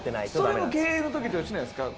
それも経営の時と一緒なんですか。